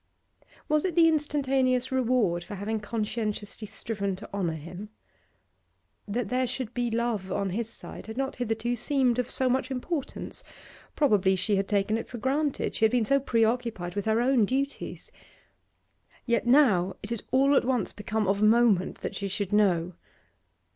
Was it the instantaneous reward for having conscientiously striven to honour him? That there should be love on his side had not hitherto seemed of so much importance; probably she had taken it for granted; she had been so preoccupied with her own duties. Yet now it had all at once become of moment that she should know.